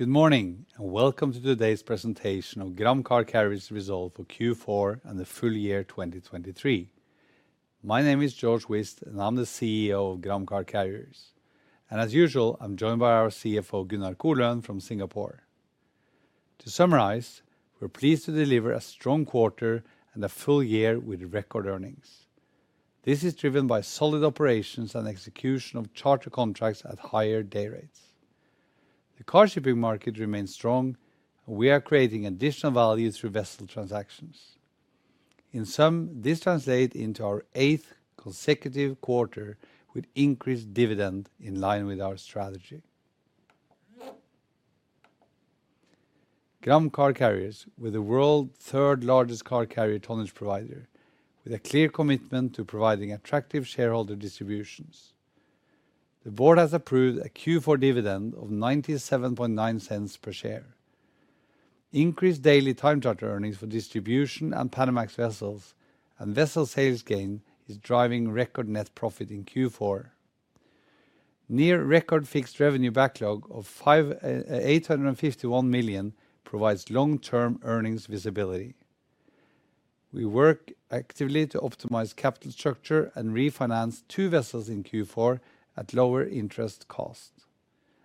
Good morning, and welcome to today's presentation of Gram Car Carriers Results for Q4 and the Full Year 2023. My name is Georg Whist, and I'm the CEO of Gram Car Carriers. As usual, I'm joined by our CFO, Gunnar Koløen from Singapore. To summarize, we're pleased to deliver a strong quarter and a full year with record earnings. This is driven by solid operations and execution of charter contracts at higher day rates. The car shipping market remains strong, and we are creating additional value through vessel transactions. In sum, this translates into our eighth consecutive quarter with increased dividend in line with our strategy. Gram Car Carriers is the world's third largest car carrier tonnage provider, with a clear commitment to providing attractive shareholder distributions. The board has approved a Q4 dividend of $0.979 per share. Increased daily time charter earnings for distribution and Panamax vessels and vessel sales gain is driving record net profit in Q4. Near record fixed revenue backlog of $851 million provides long-term earnings visibility. We work actively to optimize capital structure and refinance two vessels in Q4 at lower interest cost,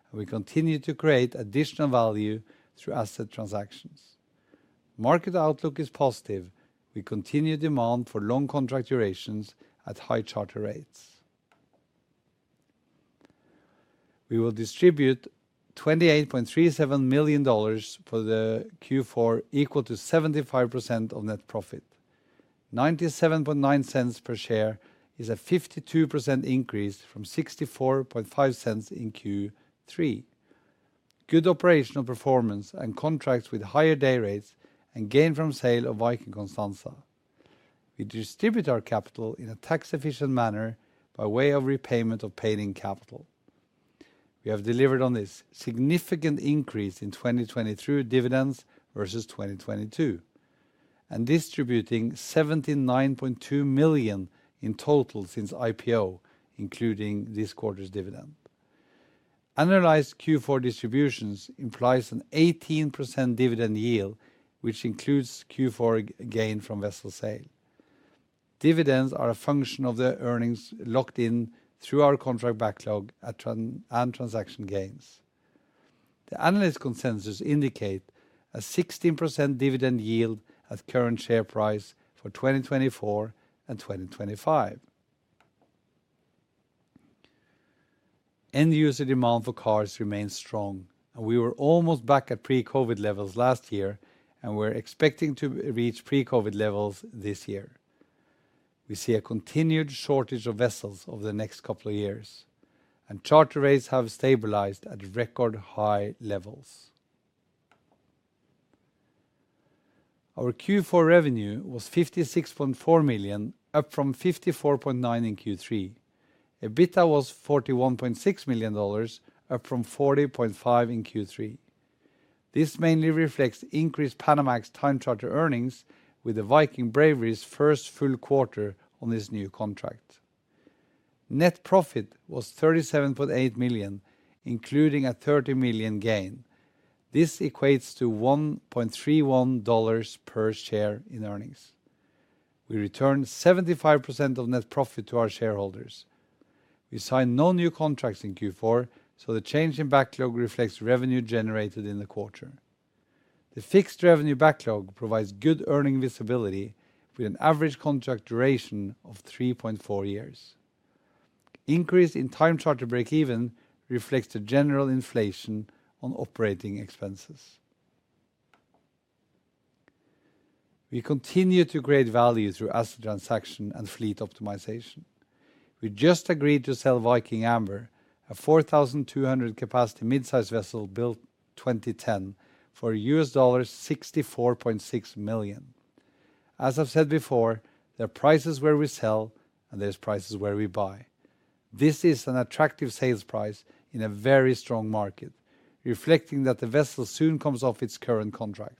and we continue to create additional value through asset transactions. Market outlook is positive. We continue demand for long contract durations at high charter rates. We will distribute $28.37 million for the Q4, equal to 75% of net profit. $0.979 per share is a 52% increase from $0.645 in Q3. Good operational performance and contracts with higher day rates and gain from sale of Viking Costanza. We distribute our capital in a tax-efficient manner by way of repayment of paid-in capital. We have delivered on this significant increase in 2023 dividends versus 2022, and distributing $79.2 million in total since IPO, including this quarter's dividend. Annualized Q4 distributions implies an 18% dividend yield, which includes Q4 gain from vessel sale. Dividends are a function of the earnings locked in through our contract backlog and transaction gains. The analyst consensus indicate a 16% dividend yield at current share price for 2024 and 2025. End-user demand for cars remains strong, and we were almost back at pre-COVID levels last year, and we're expecting to reach pre-COVID levels this year. We see a continued shortage of vessels over the next couple of years, and charter rates have stabilized at record high levels. Our Q4 revenue was $56.4 million, up from $54.9 million in Q3. EBITDA was $41.6 million, up from $40.5 million in Q3. This mainly reflects increased Panamax time charter earnings with the Viking Bravery's first full quarter on this new contract. Net profit was $37.8 million, including a $30 million gain. This equates to $1.31 per share in earnings. We return 75% of net profit to our shareholders. We signed no new contracts in Q4, so the change in backlog reflects revenue generated in the quarter. The fixed revenue backlog provides good earning visibility with an average contract duration of 3.4 years. Increase in time charter break-even reflects the general inflation on operating expenses. We continue to create value through asset transaction and fleet optimization. We just agreed to sell Viking Amber, a 4,200 capacity mid-size vessel built 2010 for $64.6 million. As I've said before, there are prices where we sell, and there's prices where we buy. This is an attractive sales price in a very strong market, reflecting that the vessel soon comes off its current contract.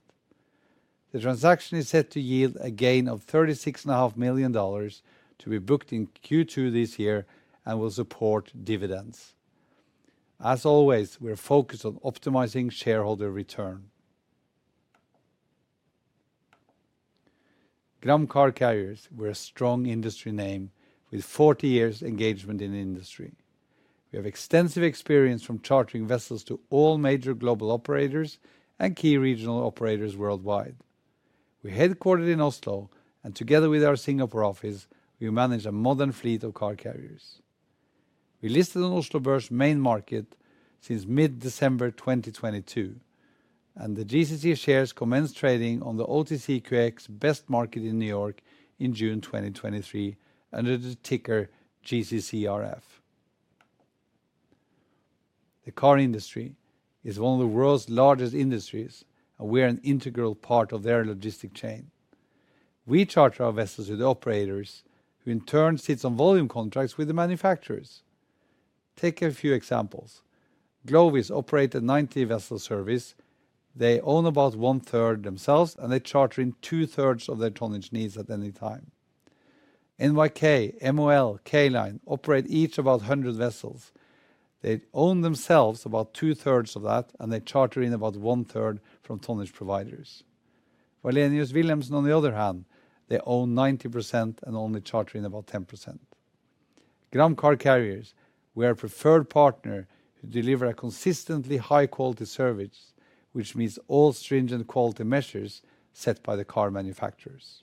The transaction is set to yield a gain of $36.5 million to be booked in Q2 this year and will support dividends. As always, we are focused on optimizing shareholder return. Gram Car Carriers, we're a strong industry name with 40 years engagement in the industry. We have extensive experience from chartering vessels to all major global operators and key regional operators worldwide. We're headquartered in Oslo, and together with our Singapore office, we manage a modern fleet of car carriers. We listed on Oslo Børs main market since mid-December 2022, and the GCC shares commenced trading on the OTCQX Best Market in New York in June 2023, under the ticker GCCRF. The car industry is one of the world's largest industries, and we are an integral part of their logistic chain. We charter our vessels with the operators, who in turn, sits on volume contracts with the manufacturers. Take a few examples. Glovis operate a 90-vessel service. They own about one-third themselves, and they charter in two-thirds of their tonnage needs at any time.... NYK, MOL, K Line operate each about 100 vessels. They own themselves about two-thirds of that, and they charter in about one-third from tonnage providers. Wallenius Wilhelmsen, on the other hand, they own 90% and only charter in about 10%. Gram Car Carriers, we are a preferred partner who deliver a consistently high quality service, which meets all stringent quality measures set by the car manufacturers.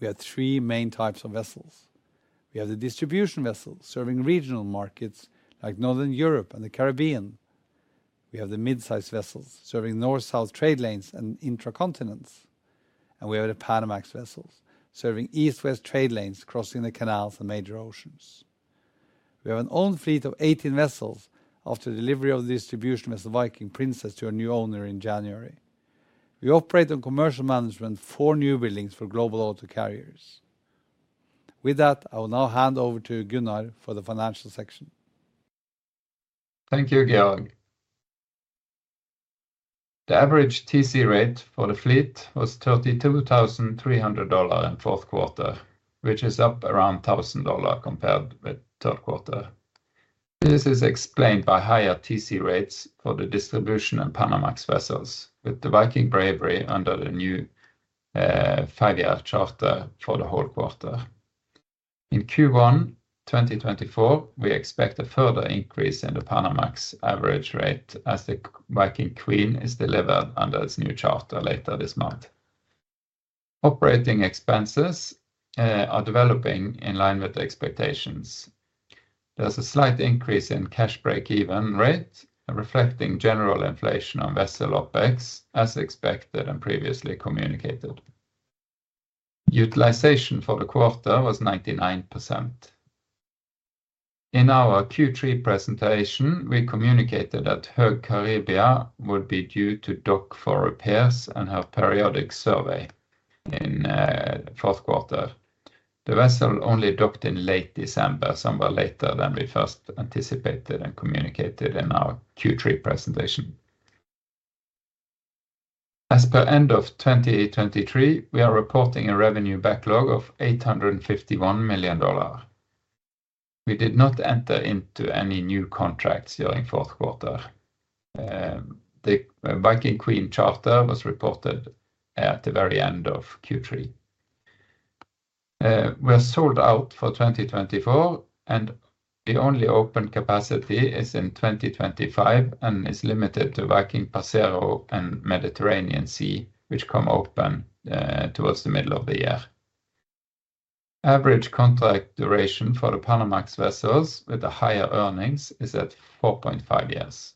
We have three main types of vessels. We have the distribution vessels, serving regional markets like Northern Europe and the Caribbean. We have the mid-sized vessels, serving north-south trade lanes and intra-continental. We have the Panamax vessels, serving east-west trade lanes, crossing the canals and major oceans. We have our own fleet of 18 vessels after delivery of the distribution vessel, Viking Princess, to our new owner in January. We operate on commercial management for new buildings for Global Auto Carriers. With that, I will now hand over to Gunnar for the financial section. Thank you, Georg. The average TC rate for the fleet was $32,300 in fourth quarter, which is up around $1,000 compared with third quarter. This is explained by higher TC rates for the distribution and Panamax vessels, with the Viking Bravery under the new five-year charter for the whole quarter. In Q1 2024, we expect a further increase in the Panamax average rate as the Viking Queen is delivered under its new charter later this month. Operating expenses are developing in line with the expectations. There's a slight increase in cash break-even rate, reflecting general inflation on vessel OpEx, as expected and previously communicated. Utilization for the quarter was 99%. In our Q3 presentation, we communicated that Höegh Caribia would be due to dock for repairs and her periodic survey in fourth quarter. The vessel only docked in late December, somewhat later than we first anticipated and communicated in our Q3 presentation. As per end of 2023, we are reporting a revenue backlog of $851 million. We did not enter into any new contracts during fourth quarter. The Viking Queen charter was reported at the very end of Q3. We are sold out for 2024, and the only open capacity is in 2025 and is limited to Viking Passero and Mediterranean Sea, which come open towards the middle of the year. Average contract duration for the Panamax vessels, with the higher earnings, is at 4.5 years.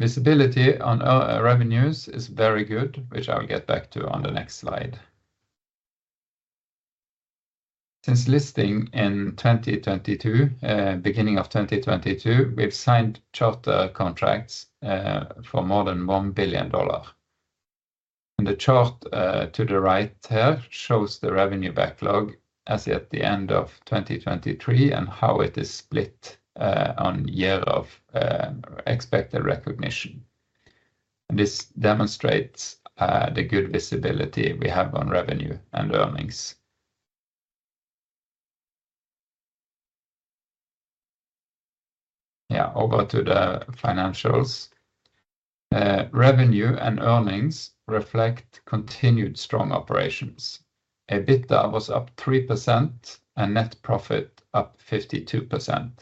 Visibility on revenues is very good, which I will get back to on the next slide. Since listing in 2022, beginning of 2022, we've signed charter contracts for more than $1 billion. The chart to the right here shows the revenue backlog as at the end of 2023 and how it is split on year of expected recognition. This demonstrates the good visibility we have on revenue and earnings. Yeah, over to the financials. Revenue and earnings reflect continued strong operations. EBITDA was up 3% and net profit up 52%,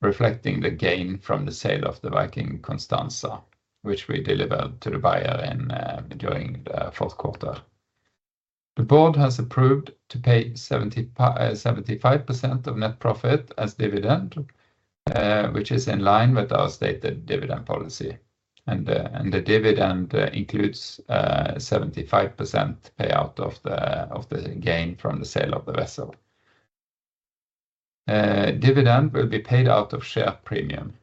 reflecting the gain from the sale of the Viking Costanza, which we delivered to the buyer in during the fourth quarter. The board has approved to pay 75% of net profit as dividend, which is in line with our stated dividend policy. And the dividend includes 75% payout of the gain from the sale of the vessel. Dividend will be paid out of share premium.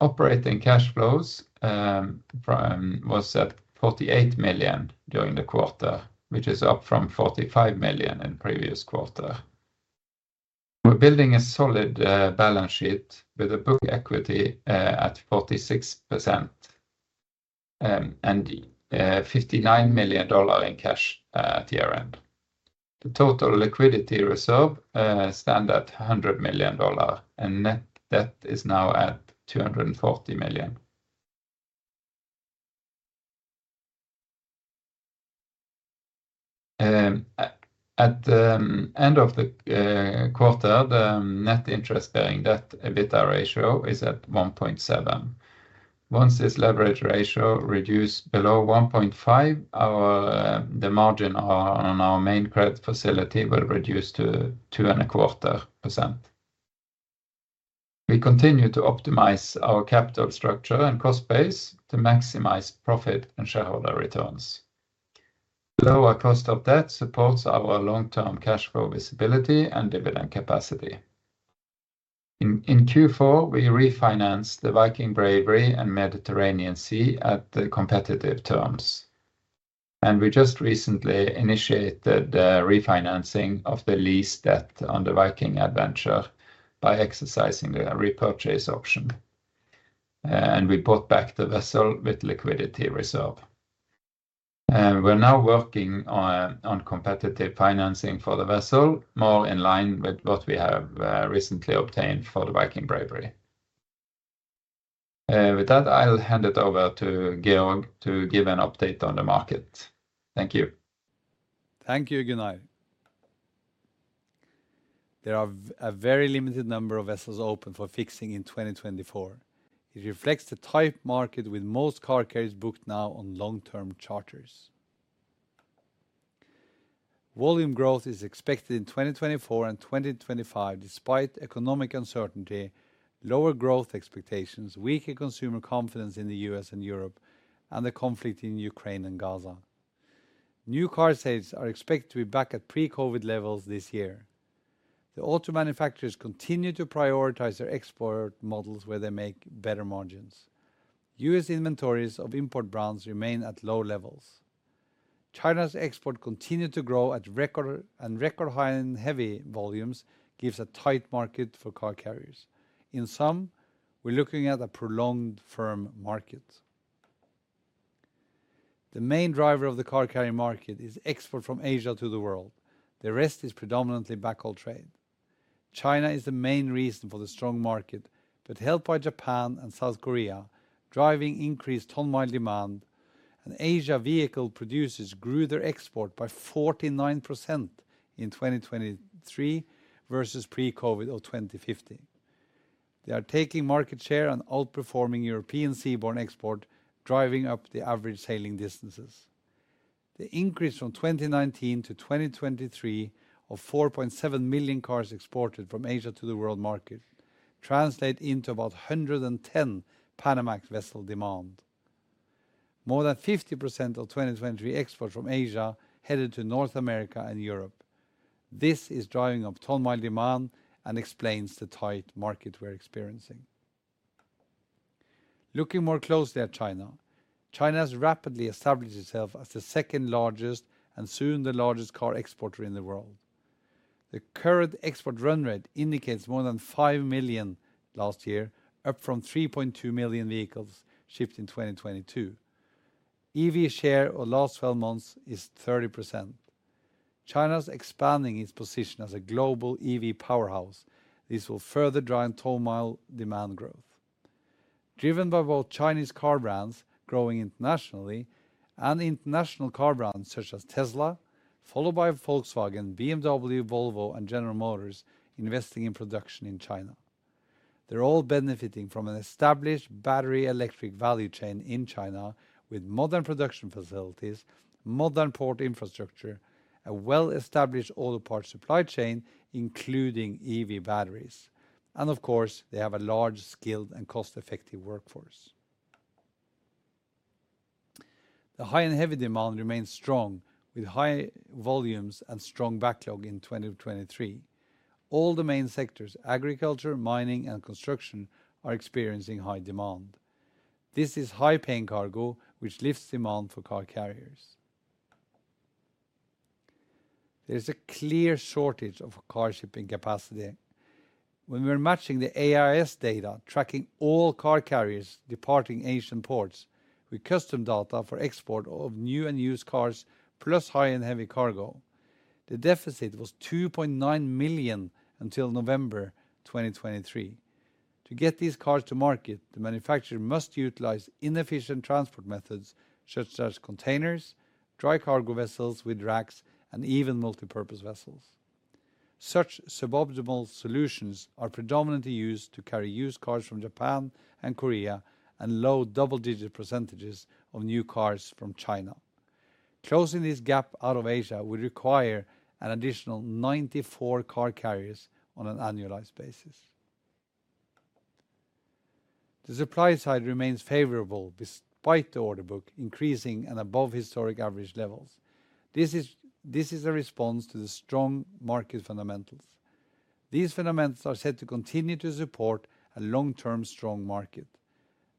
Operating cash flows was at $48 million during the quarter, which is up from $45 million in previous quarter. We're building a solid balance sheet with a book equity at 46%, and $59 million in cash at year-end. The total liquidity reserve stand at $100 million, and net debt is now at $240 million. At the end of the quarter, the net interest bearing debt EBITDA ratio is at 1.7. Once this leverage ratio reduce below 1.5, our margin on our main credit facility will reduce to 2.25%. We continue to optimize our capital structure and cost base to maximize profit and shareholder returns. Lower cost of debt supports our long-term cash flow visibility and dividend capacity. In Q4, we refinanced the Viking Bravery and Mediterranean Sea at the competitive terms, and we just recently initiated the refinancing of the lease debt on the Viking Adventure by exercising a repurchase option... and we bought back the vessel with liquidity reserve. And we're now working on competitive financing for the vessel, more in line with what we have recently obtained for the Viking Bravery. With that, I'll hand it over to Georg to give an update on the market. Thank you. Thank you, Gunnar. There are a very limited number of vessels open for fixing in 2024. It reflects the tight market with most car carriers booked now on long-term charters. Volume growth is expected in 2024 and 2025, despite economic uncertainty, lower growth expectations, weaker consumer confidence in the U.S. and Europe, and the conflict in Ukraine and Gaza. New car sales are expected to be back at pre-COVID levels this year. The auto manufacturers continue to prioritize their export models where they make better margins. U.S. inventories of import brands remain at low levels. China's export continued to grow at record and record high and heavy volumes, gives a tight market for car carriers. In sum, we're looking at a prolonged firm market. The main driver of the car carrying market is export from Asia to the world. The rest is predominantly backhaul trade. China is the main reason for the strong market, but helped by Japan and South Korea, driving increased ton mile demand, and Asia vehicle producers grew their export by 49% in 2023 versus pre-COVID of 2015. They are taking market share and outperforming European seaborne export, driving up the average sailing distances. The increase from 2019 to 2023 of 4.7 million cars exported from Asia to the world market translate into about 110 Panamax vessel demand. More than 50% of 2023 exports from Asia headed to North America and Europe. This is driving up ton mile demand and explains the tight market we're experiencing. Looking more closely at China, China has rapidly established itself as the second largest, and soon the largest car exporter in the world. The current export run rate indicates more than 5 million last year, up from 3.2 million vehicles shipped in 2022. EV share of last 12 months is 30%. China is expanding its position as a global EV powerhouse. This will further drive ton mile demand growth. Driven by both Chinese car brands growing internationally and international car brands such as Tesla, followed by Volkswagen, BMW, Volvo, and General Motors, investing in production in China. They're all benefiting from an established battery electric value chain in China with modern production facilities, modern port infrastructure, a well-established auto parts supply chain, including EV batteries, and of course, they have a large, skilled, and cost-effective workforce. The high-and-heavy demand remains strong, with high volumes and strong backlog in 2023. All the main sectors, agriculture, mining, and construction, are experiencing high demand. This is high-paying cargo, which lifts demand for car carriers. There is a clear shortage of car shipping capacity. When we are matching the AIS data, tracking all car carriers departing Asian ports with custom data for export of new and used cars, plus high-and-heavy cargo, the deficit was 2.9 million until November 2023. To get these cars to market, the manufacturer must utilize inefficient transport methods such as containers, dry cargo vessels with racks, and even multipurpose vessels. Such suboptimal solutions are predominantly used to carry used cars from Japan and Korea and low double-digit percentages of new cars from China. Closing this gap out of Asia would require an additional 94 car carriers on an annualized basis. The supply side remains favorable despite the order book increasing and above historic average levels. This is a response to the strong market fundamentals. These fundamentals are set to continue to support a long-term strong market.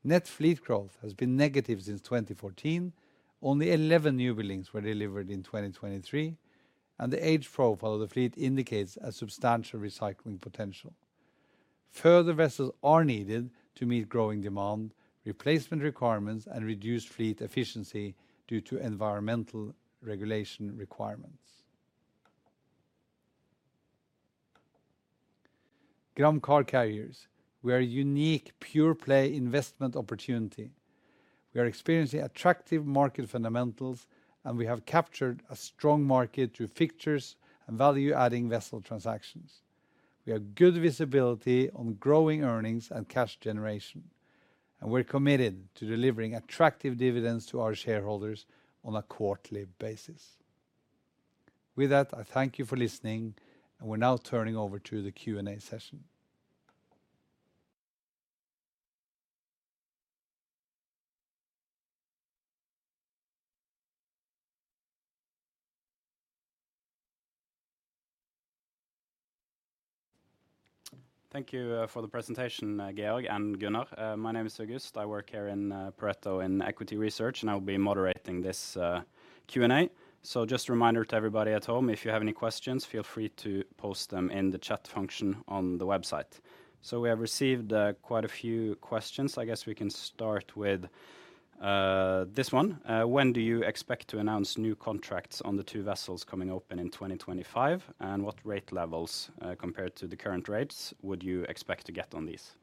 Net fleet growth has been negative since 2014. Only 11 new buildings were delivered in 2023, and the age profile of the fleet indicates a substantial recycling potential. Further vessels are needed to meet growing demand, replacement requirements, and reduced fleet efficiency due to environmental regulation requirements. Gram Car Carriers, we are a unique pure-play investment opportunity. We are experiencing attractive market fundamentals, and we have captured a strong market through fixtures and value-adding vessel transactions. We have good visibility on growing earnings and cash generation, and we're committed to delivering attractive dividends to our shareholders on a quarterly basis. With that, I thank you for listening, and we're now turning over to the Q&A session. Thank you for the presentation, Georg and Gunnar. My name is August. I work here in Pareto in Equity Research, and I'll be moderating this Q&A. So just a reminder to everybody at home, if you have any questions, feel free to post them in the chat function on the website. So we have received quite a few questions. I guess we can start with this one, when do you expect to announce new contracts on the two vessels coming open in 2025? And what rate levels compared to the current rates would you expect to get on these?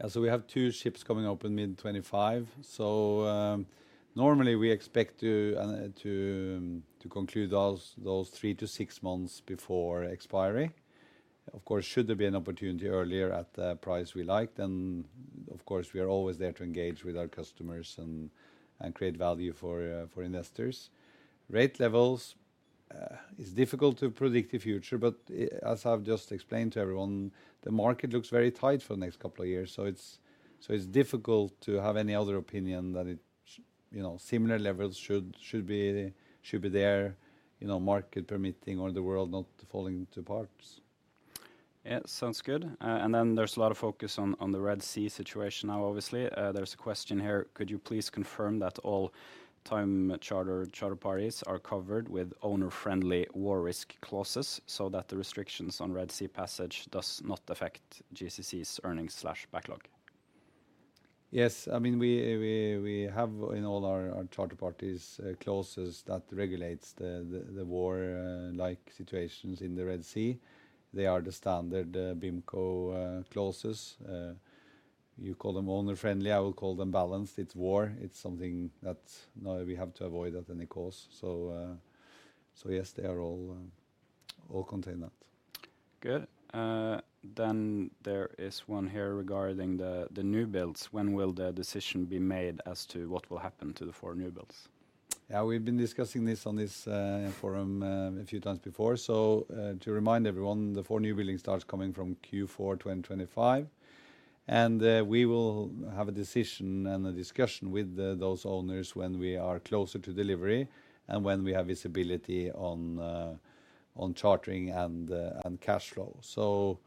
Yeah, so we have two ships coming open mid-2025. Normally, we expect to conclude those three to six months before expiry. Of course, should there be an opportunity earlier at the price we like, then, of course, we are always there to engage with our customers and create value for investors. Rate levels is difficult to predict the future, but as I've just explained to everyone, the market looks very tight for the next couple of years. So it's difficult to have any other opinion that it you know, similar levels should be there, you know, market permitting or the world not falling to parts. Yeah, sounds good. And then there's a lot of focus on, on the Red Sea situation now, obviously. There's a question here: Could you please confirm that all time charter, charter parties are covered with owner-friendly war risk clauses, so that the restrictions on Red Sea passage does not affect GCC's earnings/backlog? Yes. I mean, we have in all our charter parties clauses that regulates the war like situations in the Red Sea. They are the standard BIMCO clauses. You call them owner-friendly, I will call them balanced. It's war. It's something that now we have to avoid at any cost. So yes, they are all, we'll contained that. Good. Then there is one here regarding the new builds. When will the decision be made as to what will happen to the four new builds? Yeah, we've been discussing this on this forum a few times before. So, to remind everyone, the four new building starts coming from Q4 2025, and we will have a decision and a discussion with those owners when we are closer to delivery and when we have visibility on chartering and cash flow. So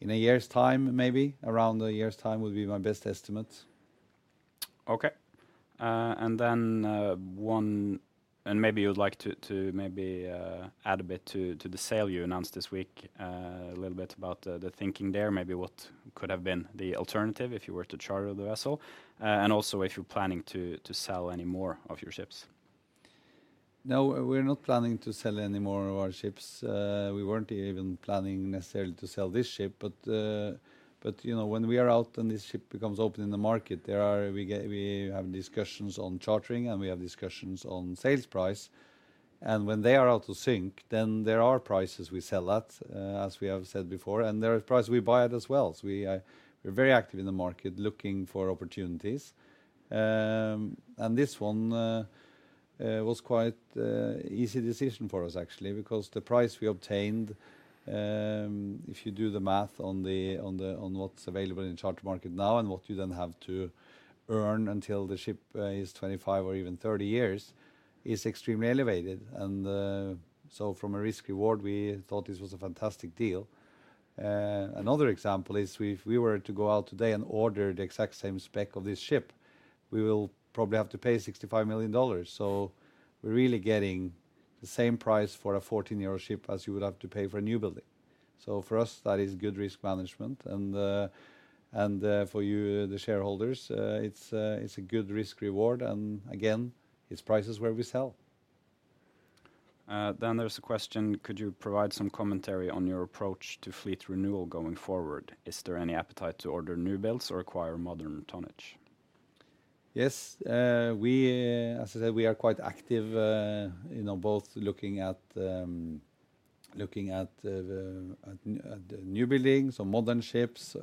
in a year's time, maybe, around a year's time would be my best estimate. Okay. And then, maybe you would like to maybe add a bit to the sale you announced this week. A little bit about the thinking there. Maybe what could have been the alternative if you were to charter the vessel, and also if you're planning to sell any more of your ships? No, we're not planning to sell any more of our ships. We weren't even planning necessarily to sell this ship, but, you know, when we are out and this ship becomes open in the market, there are discussions on chartering, and we have discussions on sales price. And when they are out to S&P, then there are prices we sell at, as we have said before, and there are prices we buy at as well. So we're very active in the market, looking for opportunities. And this one was quite easy decision for us, actually, because the price we obtained, if you do the math on what's available in charter market now and what you then have to earn until the ship is 25 or even 30 years, is extremely elevated. And so from a risk reward, we thought this was a fantastic deal. Another example is if we were to go out today and order the exact same spec of this ship, we will probably have to pay $65 million. So we're really getting the same price for a 14-year-old ship as you would have to pay for a new building. So for us, that is good risk management, and for you, the shareholders, it's a good risk reward. Again, it's prices where we sell. Then there's a question: Could you provide some commentary on your approach to fleet renewal going forward? Is there any appetite to order new builds or acquire modern tonnage? Yes. As I said, we are quite active, you know, both looking at new buildings or modern ships.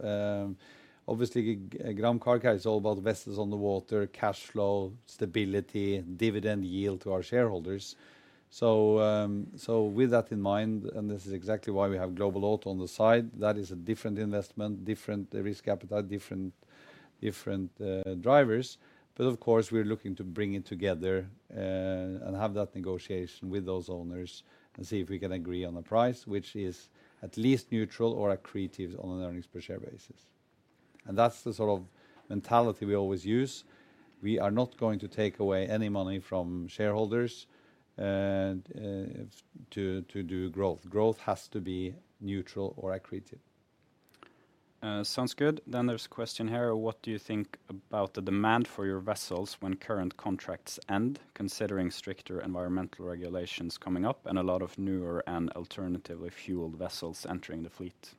Obviously, Gram Car Carriers is all about vessels on the water, cash flow, stability, dividend yield to our shareholders. So, with that in mind, and this is exactly why we have Global Auto on the side, that is a different investment, different risk capital, different drivers. But of course, we're looking to bring it together, and have that negotiation with those owners and see if we can agree on a price which is at least neutral or accretive on an earnings per share basis. And that's the sort of mentality we always use. We are not going to take away any money from shareholders to do growth. Growth has to be neutral or accretive. Sounds good. Then there's a question here: What do you think about the demand for your vessels when current contracts end, considering stricter environmental regulations coming up and a lot of newer and alternatively fueled vessels entering the fleet?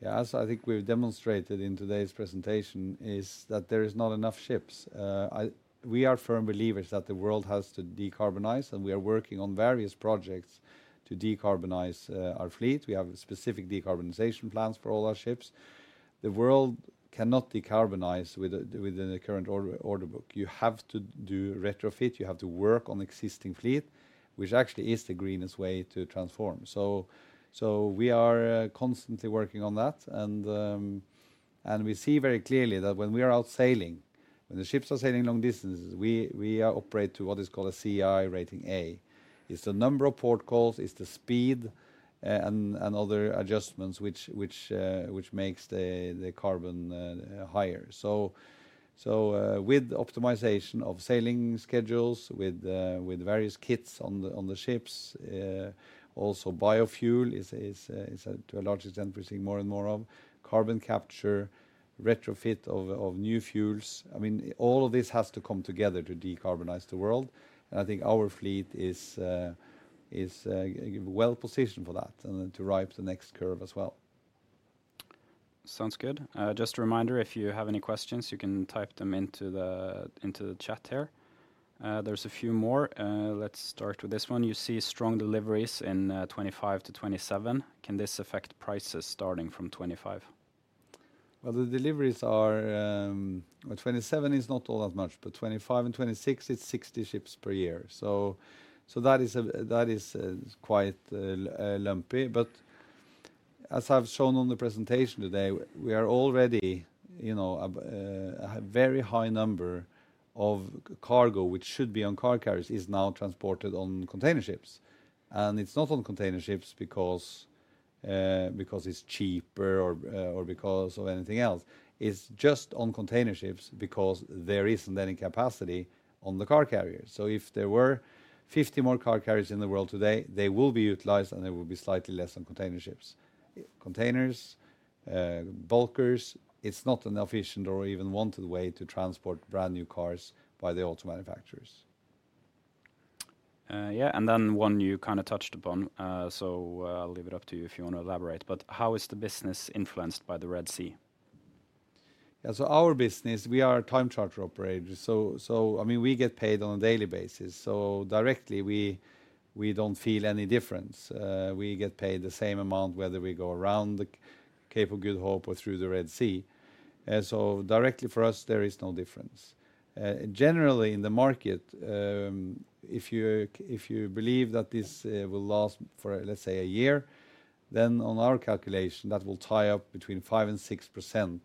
Yeah, as I think we've demonstrated in today's presentation, is that there is not enough ships. We are firm believers that the world has to decarbonize, and we are working on various projects to decarbonize our fleet. We have specific decarbonization plans for all our ships. The world cannot decarbonize with the, within the current order book. You have to do retrofit, you have to work on existing fleet, which actually is the greenest way to transform. So we are constantly working on that. And we see very clearly that when we are out sailing, when the ships are sailing long distances, we operate to what is called a CII rating A. It's the number of port calls, it's the speed, and other adjustments which makes the carbon higher. So, with optimization of sailing schedules, with various kits on the ships, also biofuel is, to a large extent, we're seeing more and more of... carbon capture, retrofit of new fuels. I mean, all of this has to come together to decarbonize the world, and I think our fleet is well-positioned for that and then to ride the next curve as well. Sounds good. Just a reminder, if you have any questions, you can type them into the, into the chat here. There's a few more. Let's start with this one. "You see strong deliveries in 2025-2027. Can this affect prices starting from 2025? Well, the deliveries are. Well, 2027 is not all that much, but 2025 and 2026, it's 60 ships per year. So that is quite lumpy. But as I've shown on the presentation today, we are already, you know, a very high number of cargo, which should be on car carriers, is now transported on container ships. And it's not on container ships because it's cheaper or because of anything else. It's just on container ships because there isn't any capacity on the car carriers. So if there were 50 more car carriers in the world today, they will be utilized, and there will be slightly less on container ships. Containers, bulkers, it's not an efficient or even wanted way to transport brand-new cars by the auto manufacturers. Yeah, and then one you kind of touched upon, so I'll leave it up to you if you want to elaborate, but how is the business influenced by the Red Sea? Yeah, so our business, we are a time charter operator. So, I mean, we get paid on a daily basis, so directly, we don't feel any difference. We get paid the same amount, whether we go around the Cape of Good Hope or through the Red Sea. So directly for us, there is no difference. Generally, in the market, if you believe that this will last for, let's say, a year, then on our calculation, that will tie up between 5% and 6%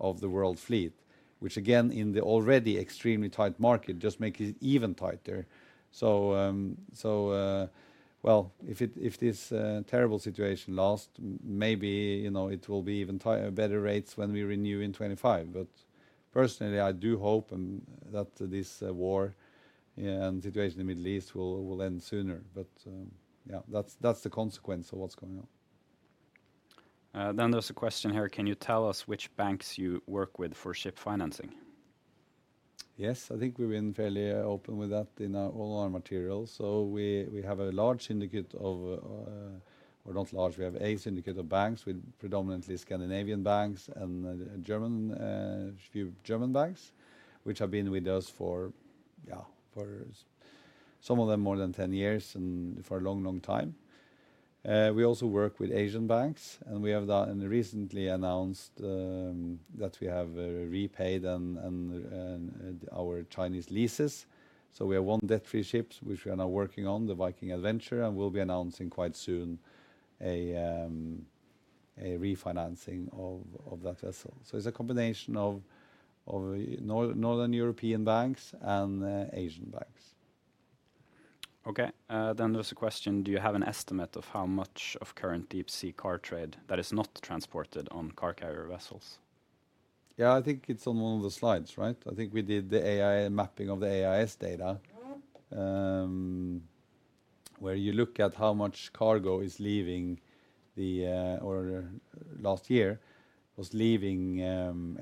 of the world fleet, which again, in the already extremely tight market, just make it even tighter. So, well, if this terrible situation last, maybe, you know, it will be even tighter, better rates when we renew in 2025. But personally, I do hope that this war and situation in the Middle East will end sooner. But, yeah, that's the consequence of what's going on. Then there's a question here: "Can you tell us which banks you work with for ship financing? Yes, I think we've been fairly open with that in all our materials. So we have a syndicate of banks, with predominantly Scandinavian banks and German, a few German banks, which have been with us for, yeah, for some of them more than 10 years and for a long, long time. We also work with Asian banks, and we have the, and recently announced that we have repaid and our Chinese leases. So we have one debt-free ships, which we are now working on, the Viking Adventure, and we'll be announcing quite soon a refinancing of that vessel. So it's a combination of Northern European banks and Asian banks. Okay, then there's a question: "Do you have an estimate of how much of current deep sea car trade that is not transported on car carrier vessels? Yeah, I think it's on one of the slides, right? I think we did the AI mapping of the AIS data, where you look at how much cargo was leaving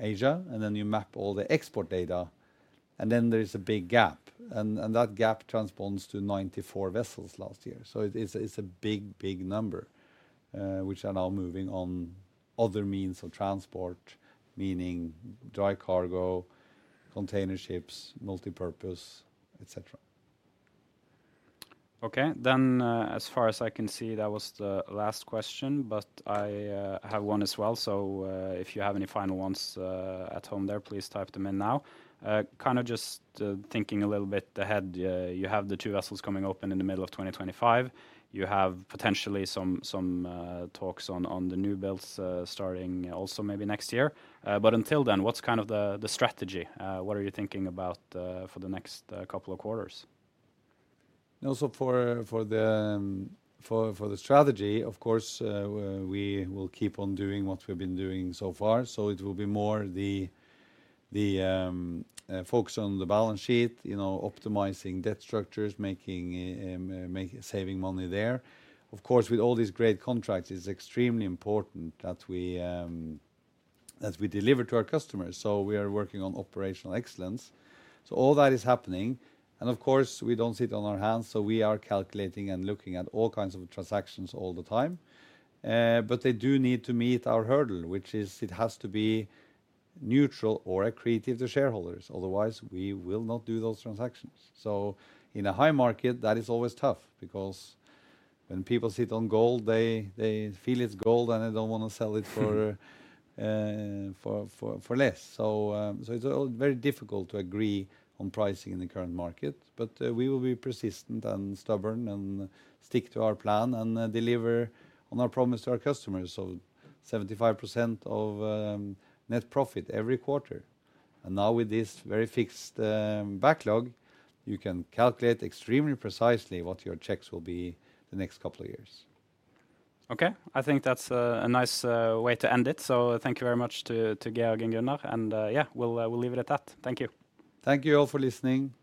Asia last year, and then you map all the export data, and then there is a big gap, and that gap corresponds to 94 vessels last year. So it is a, it's a big, big number, which are now moving on other means of transport, meaning dry cargo, container ships, multipurpose, et cetera. Okay. Then, as far as I can see, that was the last question, but I have one as well. So, if you have any final ones at home there, please type them in now. Kind of just thinking a little bit ahead, you have the two vessels coming open in the middle of 2025. You have potentially some talks on the new builds starting also maybe next year. But until then, what's kind of the strategy? What are you thinking about for the next couple of quarters? Also for the strategy, of course, we will keep on doing what we've been doing so far. So it will be more the focus on the balance sheet, you know, optimizing debt structures, making saving money there. Of course, with all these great contracts, it's extremely important that we deliver to our customers, so we are working on operational excellence. So all that is happening, and of course, we don't sit on our hands, so we are calculating and looking at all kinds of transactions all the time. But they do need to meet our hurdle, which is it has to be neutral or accretive to shareholders, otherwise, we will not do those transactions. So in a high market, that is always tough because when people sit on gold, they feel it's gold, and they don't want to sell it for less. So it's all very difficult to agree on pricing in the current market, but we will be persistent and stubborn and stick to our plan and deliver on our promise to our customers of 75% of net profit every quarter. And now, with this very fixed backlog, you can calculate extremely precisely what your checks will be the next couple of years. Okay. I think that's a nice way to end it. So thank you very much to Georg and Gunnar and, yeah, we'll we'll leave it at that. Thank you. Thank you all for listening.